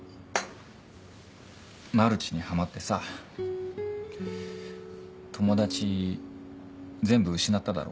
「マルチ」にハマってさ友達全部失っただろ？